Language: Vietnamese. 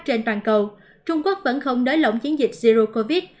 trên toàn cầu trung quốc vẫn không nới lỏng chiến dịch zero covid